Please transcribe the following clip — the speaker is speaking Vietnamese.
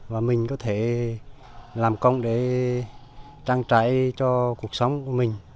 và mình có thể làm công để trang trải cho cuộc sống của mình